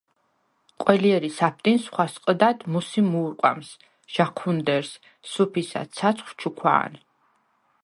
ყველჲერი საფტინს ხვასყჷდად მუსი მუ̄რყვამს ჟაჴუნდერს, სუფისა, ცაცხვ ჩუქვა̄ნ.